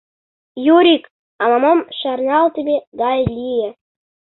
— Юрик ала-мом шарналтыме гай лие.